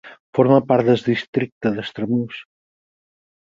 Forma part del districte d'Extramurs.